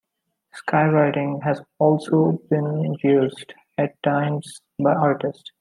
Skywriting has also been used at times by artists.